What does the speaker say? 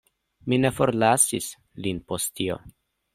Mi ne forlasis lin post tio.